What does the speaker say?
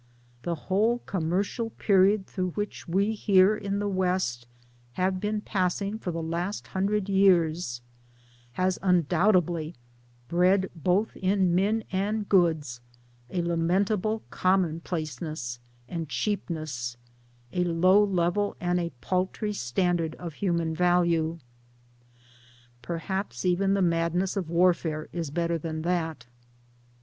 The whole commercial period through which we, here in the tWest, have been passing for the last hundred years has undoubtedly bred, both in men and goods, a lamentable cornrnon placeness and cheapness a low level and a paltry standard of human value. Perhaps even the madness of warfare is better than that.